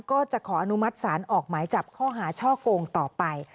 ก็จะขออนุมัติศาลออกหมายจับข้อหาช่อโกงต่อไป